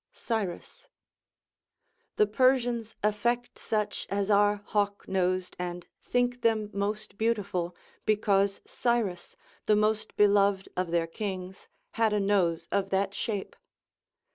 Cyrus. The Persians affect such as are hawk nosed and think them most beautiful, because Cyrus, the most beloved of their kings, had a nose of that shape.